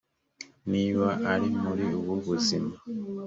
niba ari muri ubu buzima